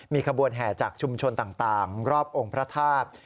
มีขบวนแห่จากชุมชนต่างรอบองค์พระธาตุ